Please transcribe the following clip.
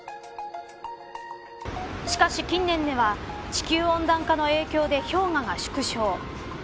しかし近年では地球温暖化の影響で氷河が縮小。